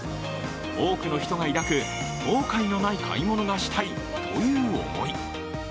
多くの人が抱く、後悔のない買い物がしたいという思い。